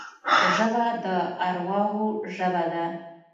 ژبه د ارواحو ژبه ده